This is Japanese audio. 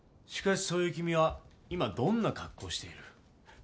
しかしそういう君は今どんな格好をしている？